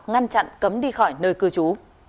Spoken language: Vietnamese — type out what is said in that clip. ngăn chặn cấm đi khỏi nơi cư trú